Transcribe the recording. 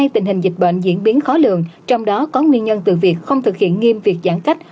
tình hình dịch bệnh diễn biến khó lường trong đó có nguyên nhân từ việc không thực hiện nghiêm việc giãn cách